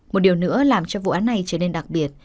một điều nữa làm cho vụ án này trở nên đặc biệt